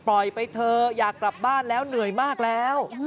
ไปเถอะอยากกลับบ้านแล้วเหนื่อยมากแล้ว